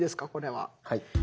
はい。